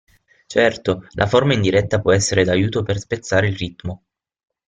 Certo, la forma indiretta può essere d'aiuto per spezzare il ritmo.